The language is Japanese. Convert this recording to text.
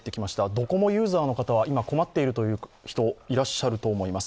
ドコモユーザーの方、今、困っている方、いらっしゃると思います。